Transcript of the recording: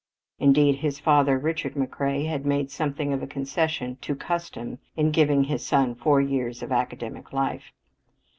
Indeed, his father, Richard McCrea, had made something of a concession to custom in giving his son four years of academic life.